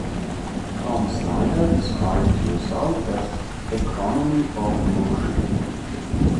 Tom Snyder describes the result as "economy of motion".